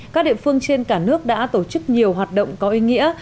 các địa phương trên cả nước đã tổ chức nhiều hoạt động có ý nghĩa